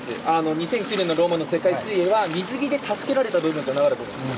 ２００９年のローマの世界水泳は水着で助けられた部分があると思うんです。